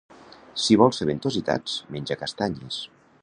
Si vols fer ventositats, menja castanyes.